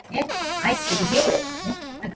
Mice build long intricate burrows in the wild.